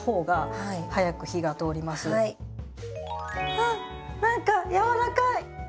あっ何か柔らかい！